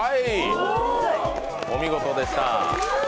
お見事でした。